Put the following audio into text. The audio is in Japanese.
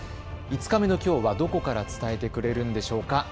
５日目のきょうはどこから伝えてくれるんでしょうか。